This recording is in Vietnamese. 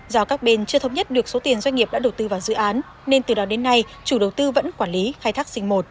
do các bên chưa thống nhất được số tiền doanh nghiệp đã đầu tư vào dự án nên từ đó đến nay chủ đầu tư vẫn quản lý khai thác dinh một